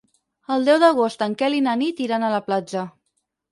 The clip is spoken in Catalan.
El deu d'agost en Quel i na Nit iran a la platja.